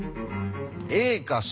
ＡかＣ